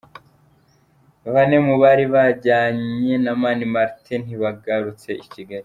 Bane mu bari bajyanye na Mani Martin ntibagarutse i Kigali.